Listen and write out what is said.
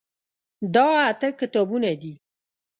دا اته کتابونه دي.